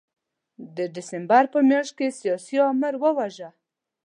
د ډسمبر په میاشت کې سیاسي آمر وواژه.